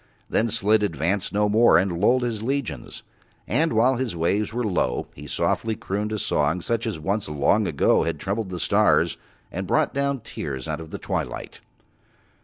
Then Slid advanced no more and lulled his legions, and while his waves were low he softly crooned a song such as once long ago had troubled the stars and brought down tears out of the twilight.